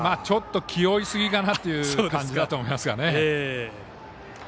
ちょっと気負いすぎかなという感じだと思いますがね。